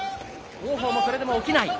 王鵬もそれでも起きない。